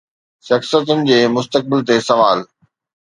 شخصيتن جي مستقبل تي سوال